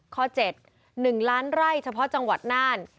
ข้อ๗๑ล้านไร่เฉพาะจังหวัดน่าน